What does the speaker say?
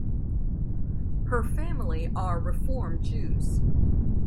Her family are Reform Jews.